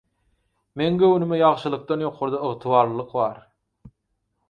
Meň göwnüme ýagşylykdan ýokarda ygtybarlylyk bar.